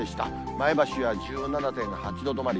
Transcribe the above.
前橋は１７．８度止まり。